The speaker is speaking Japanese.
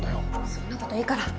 そんなこといいから。